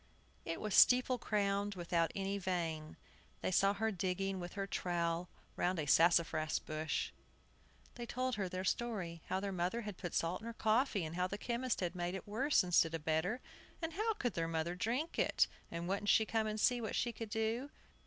It was steeple crowned, without any vane. They saw her digging with her trowel round a sassafras bush. They told her their story, how their mother had put salt in her coffee, and how the chemist had made it worse instead of better, and how their mother couldn't drink it, and wouldn't she come and see what she could do?